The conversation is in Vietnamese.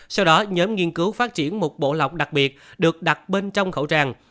sau đó nhóm nghiên cứu phát triển một bộ lọc đặc biệt được đặt bên trong khẩu trang